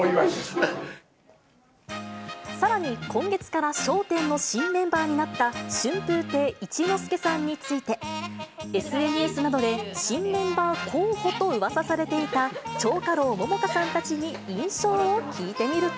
さらに、今月から笑点の新メンバーになった春風亭一之輔さんについて、ＳＮＳなどで新メンバー候補とうわさされていた、蝶花楼桃花さんたちに印象を聞いてみると。